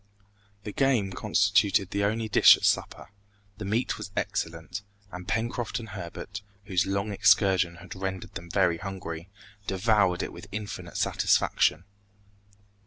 The game constituted the only dish at supper; the meat was excellent, and Pencroft and Herbert, whose long excursion had rendered them very hungry, devoured it with infinite satisfaction.